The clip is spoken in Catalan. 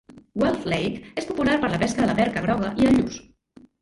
Guelph Lake és popular per la pesca de la perca groga i el lluç.